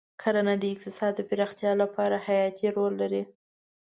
کرنه د اقتصاد د پراختیا لپاره حیاتي رول لري.